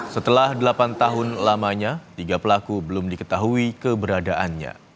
setelah delapan tahun lamanya tiga pelaku belum diketahui keberadaannya